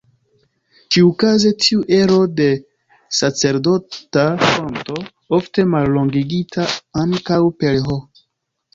Ĉiukaze, tiu ero de sacerdota fonto, ofte mallongigita ankaŭ per "H".